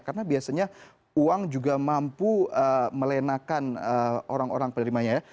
karena biasanya uang juga mampu melenakan orang orang penerimanya ya